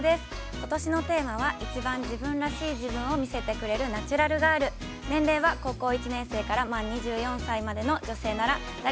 ことしのテーマは、一番自分らしい自分を見せてくれるナチュラルガール年齢は、高校１年生満２４才の女性。